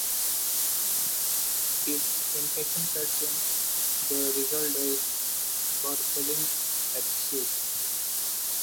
If infection sets in, the result is a Bartholin's abscess.